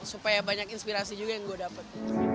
supaya banyak inspirasi juga yang gue dapat